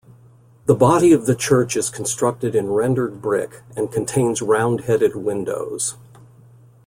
The body of the church is constructed in rendered brick, and contains round-headed windows.